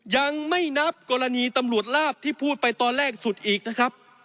ยังไม่นับกรณีตำรวจลาบที่พูดไปตอนแรกสุดอีกนะครับ